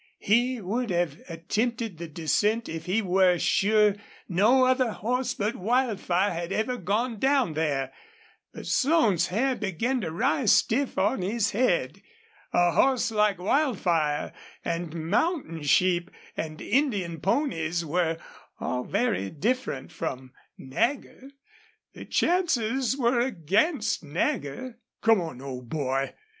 He would have attempted the descent if he were sure no other horse but Wildfire had ever gone down there. But Slone's hair began to rise stiff on his head. A horse like Wildfire, and mountain sheep and Indian ponies, were all very different from Nagger. The chances were against Nagger. "Come on, old boy.